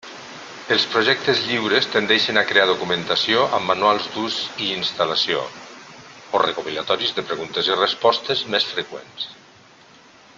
Els projectes lliures tendeixen a crear documentació amb manuals d'ús i instal·lació o recopilatoris de preguntes i respostes més freqüents.